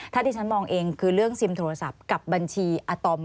ถ้าที่ฉันมองเองคือเรื่องซิมโทรศัพท์กับบัญชีอาตอม